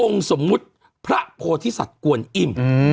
สมมุติพระโพธิสัตว์กวนอิ่ม